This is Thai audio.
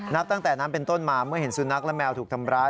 นับตั้งแต่นั้นเป็นต้นมาเมื่อเห็นสุนัขและแมวถูกทำร้าย